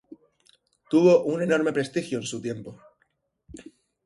Tuvo un enorme prestigio en su tiempo.